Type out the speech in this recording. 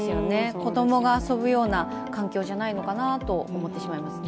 子供が遊ぶ様な環境じゃないのかなと思ってしまいますね。